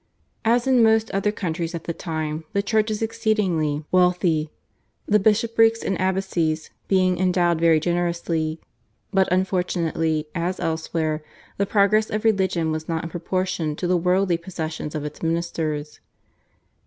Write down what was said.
As in most other countries at the time, the Church was exceedingly wealthy, the bishoprics and abbacies being endowed very generously, but unfortunately, as elsewhere, the progress of religion was not in proportion to the worldly possessions of its ministers.